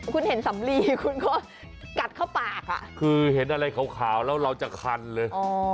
คุณเห็นสำลีคุณก็กัดเข้าปากอ่ะคือเห็นอะไรขาวแล้วเราจะคันเลย